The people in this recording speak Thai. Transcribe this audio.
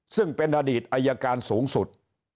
ซึ่งเป็นอดีตอายการสูงสุด